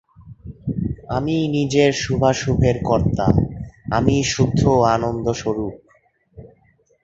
আমিই নিজের শুভাশুভের কর্তা, আমিই শুদ্ধ ও আনন্দস্বরূপ।